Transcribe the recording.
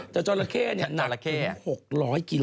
จอหละเข้เนี่ยหนัง๖๐๐กิโลกรัม